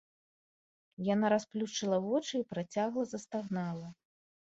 Яна расплюшчыла вочы і працягла застагнала.